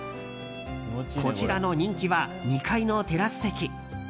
こちらの人気は２階のテラス席。